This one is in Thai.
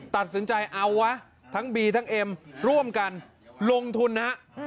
ตัดสินใจเอาวะทั้งบีทั้งเอ็มร่วมกันลงทุนนะฮะ